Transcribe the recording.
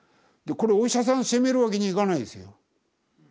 これお医者さん責めるわけにいかないですよ。